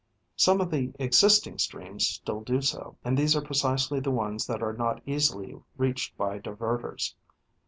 Some of the existing streams still do so, and these are precisely the ones that are not easily reached by divertors.